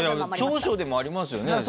長所でもありますよね。